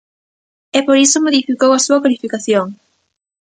E por iso modificou a súa cualificación.